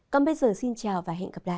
còn bây giờ xin chào và hẹn gặp lại